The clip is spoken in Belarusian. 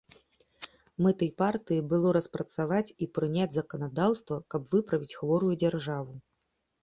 Мэтай партыі было распрацаваць і прыняць заканадаўства, каб выправіць хворую дзяржаву.